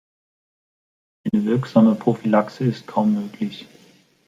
Eine wirksame Prophylaxe ist kaum möglich.